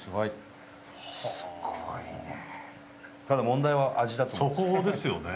ただ問題は味だと思うんですよ。